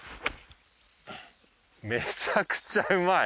めちゃくちゃうまい。